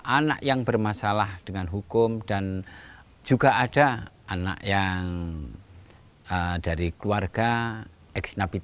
anak yang bermasalah dengan hukum dan juga ada anak yang dari keluarga ex nabi